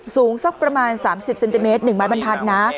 สูงสักประมาณสามสิบเซนติเมตรหนึ่งบาทบันทันนะ